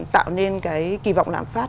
tạo nên cái kỳ vọng lạm phát